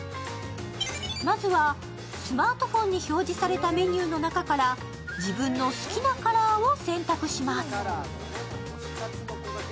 まずはスマートフォンに表示されたメニューの中から自分の好きなカラーを選択します。